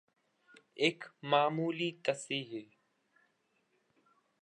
ایک معمولی تصحیح۔